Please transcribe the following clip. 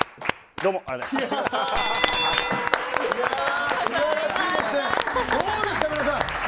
どうですか、皆さん。